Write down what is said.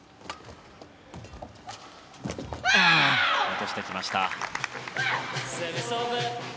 落としてきました。